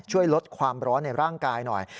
ช่วยลดความร้อนในร่างกายหน่อย